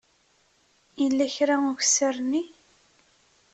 Yella kra ukessar-nni?